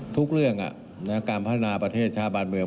ทุกเรื่องการพัฒนาประเทศชาติบ้านเมือง